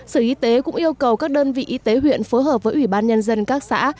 sở y tế cũng yêu cầu các đơn vị y tế huyện phối hợp với ủy ban nhân dân các xã